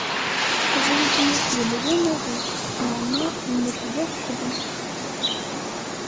Abrid i ak-yehwan aɣ-it meɛna mmet d afeḥli.